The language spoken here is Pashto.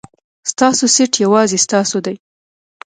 ستاسو سېټ یوازې ستاسو دی.